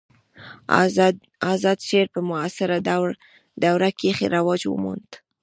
آزاد شعر په معاصره دوره کښي رواج وموند.